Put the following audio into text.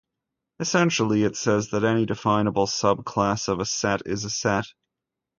Essentially, it says that any definable subclass of a set is a set.